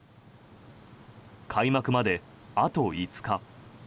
開幕まであと５日。